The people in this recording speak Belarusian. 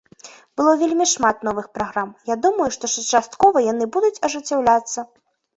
Было вельмі шмат новых праграм, я думаю, што часткова яны будуць ажыццяўляцца.